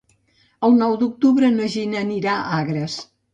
El nou d'octubre na Gina anirà a Agres.